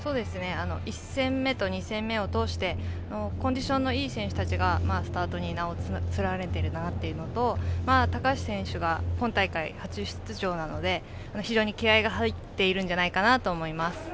１戦目と２戦目をとおしてコンディションのいい選手たちがスタートに名を連ねているんだなというのと高橋選手が今大会初出場なので非常に気合いが入っているんじゃないかなと思います。